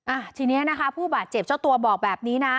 อ่ะทีนี้นะคะผู้บาดเจ็บเจ้าตัวบอกแบบนี้นะ